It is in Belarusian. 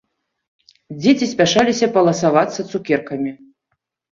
Дзеці спяшаліся паласавацца цукеркамі